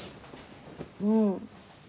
うん。